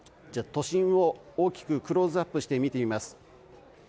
都心を大きくクローズアップして見てみます。